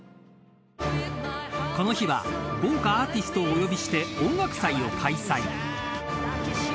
［この日は豪華アーティストをお呼びして音楽祭を開催］